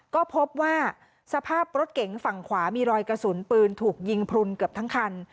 ก็พบว่าสภาพรถเก๋งฝั่งขวามีรอยกระสุนปืนถูกยิงพลุนเกือบทั้งคัน